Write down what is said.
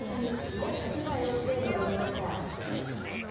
リラックスした様子で臨みました。